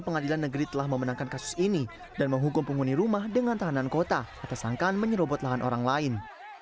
pertama pt kai daob delapan telah memenangkan kasus ini dan menghukum penghuni rumah dengan tahanan kota atas sangkaan menyerobot lahan orang lain